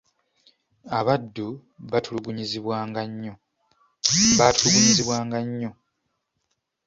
Abaddu baatulugunyizibwanga nnyo.